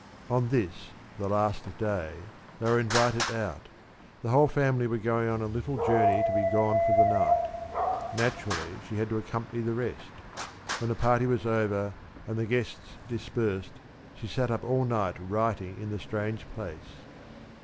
On this the last day they were invited out. The whole family were going on a little journey to be gone for the night. Naturally, she had to accompany the rest. When the party was over and the guests dispersed, she sat up all night writing in the strange place.